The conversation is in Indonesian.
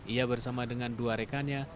ia bersama dengan dua rekannya